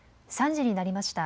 ３時になりました。